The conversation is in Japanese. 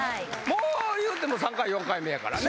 もういうても３回目４回目やからね